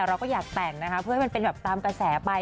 เราก็อยากแต่งนะคะเพื่อให้มันเป็นแบบตามกระแสไป